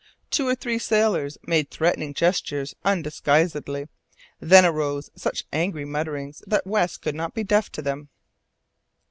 Two or three sailors made threatening gestures undisguisedly; then arose such angry mutterings that West could not to be deaf to them.